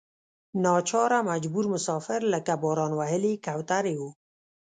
ناچاره مجبور مسافر لکه باران وهلې کوترې وو.